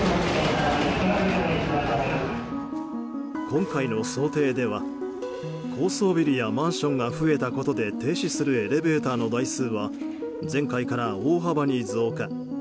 今回の想定では、高層ビルやマンションが増えたことで停止するエレベーターの台数は前回から大幅に増加。